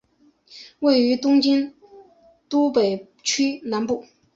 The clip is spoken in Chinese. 位于东京都北区南部。